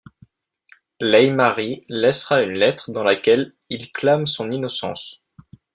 Leymarie laissera une lettre dans laquelle il clame son innocence.